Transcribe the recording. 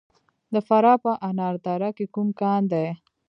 د فراه په انار دره کې کوم کان دی؟